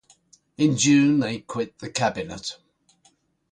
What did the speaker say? In June, they quit The Cabinet.